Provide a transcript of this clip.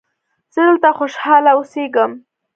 زه دلته خوشحاله اوسیږم.